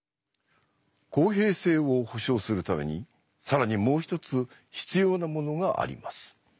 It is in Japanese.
「公平性」を保証するために更にもう一つ必要なものがあります。